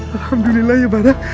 alhamdulillah ya bara